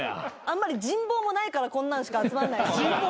あんまり人望もないからこんなんしか集まんない。